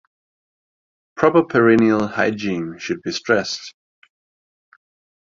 Proper perineal hygiene should be stressed.